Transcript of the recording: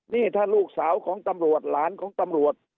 นี่ถ้าลูกสาวของตำรวจหลานของตำรวจ